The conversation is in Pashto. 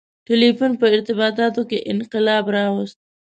• ټیلیفون په ارتباطاتو کې انقلاب راوست.